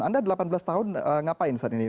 anda delapan belas tahun ngapain saat ini